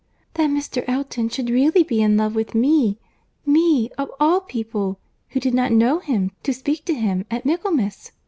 "That Mr. Elton should really be in love with me,—me, of all people, who did not know him, to speak to him, at Michaelmas!